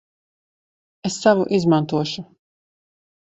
Es savu izmantošu.